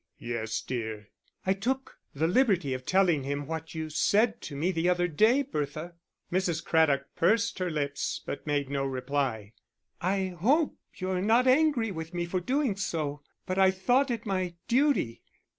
"Yes, dear." "I took the liberty of telling him what you said to me the other day, Bertha." Mrs. Craddock pursed her lips, but made no reply. "I hope you're not angry with me for doing so, but I thought it my duty....